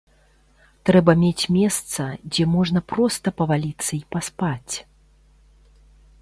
Трэба мець месца, дзе можна проста паваліцца і паспаць.